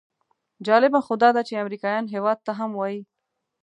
جالبه خو داده چې امریکایان هېواد ته هم وایي.